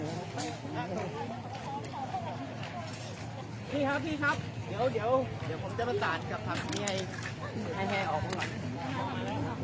พี่ครับพี่ครับเดี๋ยวเดี๋ยวเดี๋ยวผมจะประตาศกับทางนี้ให้ให้ให้ออกกันก่อน